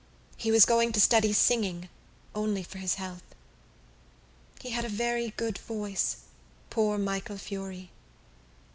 He was going to study singing only for his health. He had a very good voice, poor Michael Furey."